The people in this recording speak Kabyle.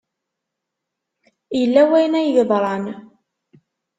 Yella wayen ay yeḍran.